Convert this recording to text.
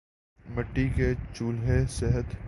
مٹی کے چولہے صحت